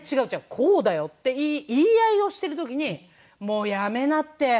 こうだよ」って言い合いをしてる時に「もうやめなって」